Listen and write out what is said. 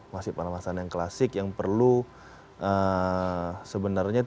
masih permasalahan yang klasik yang perlu sebenarnya tidak ada